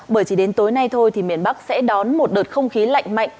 bởi chỉ đến tối nay thôi thì miền bắc sẽ đón một đợt không khí lạnh mạnh